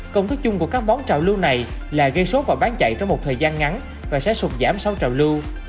công thức chung của các món trà lưu này là gây sốt và bán chạy trong một thời gian ngắn và sẽ sụt giảm sau trà lưu